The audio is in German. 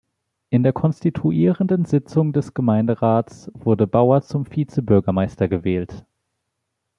In der konstituierenden Sitzung des Gemeinderats wurde Bauer zum Vizebürgermeister gewählt.